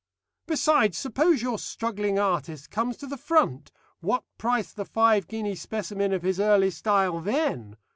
Besides, suppose your struggling artist comes to the front. What price the five guinea specimen of his early style then?